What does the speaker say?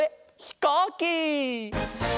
ひこうき！